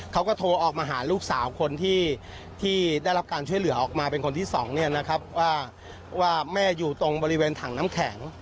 เขาก็โทรออกมาหาลูกสาวคนที่ได้รับการช่วยเหลือออกมาเป็นคนที่สองเนี่ยนะครับว่าแม่อยู่ตรงบริเวณถังน้ำแข็ง